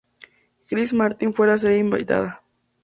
Chris Martin fue la estrella invitada.